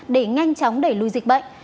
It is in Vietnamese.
để nhanh chóng đẩy lùi dịch bệnh